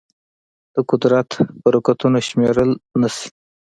د قدرت برکتونه شمېرل نهشي.